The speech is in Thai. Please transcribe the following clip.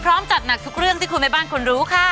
จัดหนักทุกเรื่องที่คุณแม่บ้านคุณรู้ค่ะ